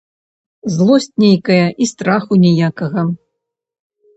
Злосць нейкая і страху ніякага.